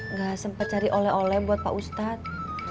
nggak sempat cari oleh oleh buat pak ustadz